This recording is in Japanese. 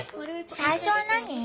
最初は何？